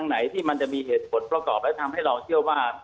ไหนที่มันจะมีเหตุผลประกอบแล้วทำให้เราเชื่อว่า